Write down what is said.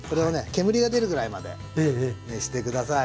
煙が出るぐらいまで熱して下さい。